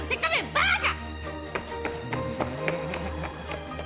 バカ！